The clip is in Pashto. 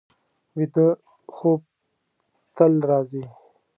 ویده خوب تل راځي